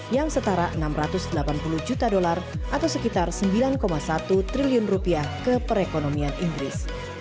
yang setara enam ratus delapan puluh juta dolar atau sekitar sembilan satu triliun rupiah ke perekonomian inggris